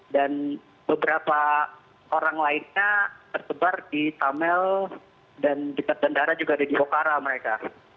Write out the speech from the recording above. dan beberapa orang lainnya tersebar di tamil dan dekat bendara juga ada di bokara mereka